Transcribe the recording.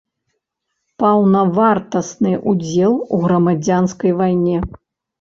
Паўнавартасны ўдзел у грамадзянскай вайне.